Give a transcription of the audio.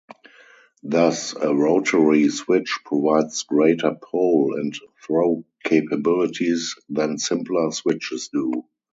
Thus a rotary switch provides greater pole and throw capabilities than simpler switches do.